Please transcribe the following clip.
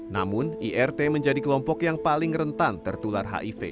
namun irt menjadi kelompok yang paling rentan tertular hiv